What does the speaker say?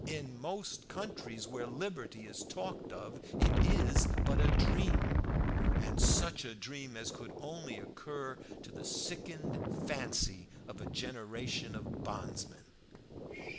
In most countries where liberty is talked of it is but a dream, and such a dream as could only occur to the sickened fancy of a generation of bondsmen.